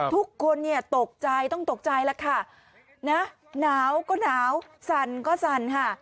ทุกคนเนี่ยตกใจต้องตกใจแล้วค่ะนะหนาวก็หนาวสั่นก็สั่นค่ะ